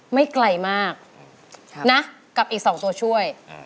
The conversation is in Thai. ไม่ไกลมากนะกับอีก๒ตัวช่วย